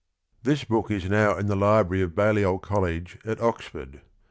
This book is now in the library of Balliol College at Oxford.